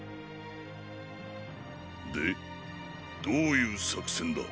でどういう作戦だ。